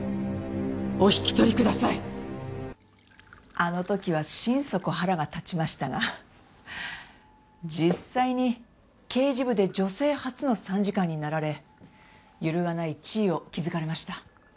あの時は心底腹が立ちましたが実際に刑事部で女性初の参事官になられ揺るがない地位を築かれました。